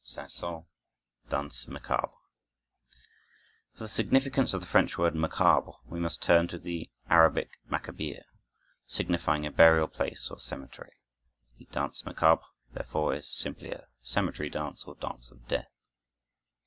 Saint Saëns: Danse Macabre For the significance of the French word macabre we must turn to the Arabic makabir, signifying a burial place or cemetery. The "Danse Macabre," therefore, is simply a "cemetery dance" or "Dance of Death."